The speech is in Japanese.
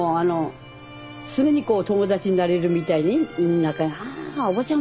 すぐに友達になれるみたいに「あおばちゃん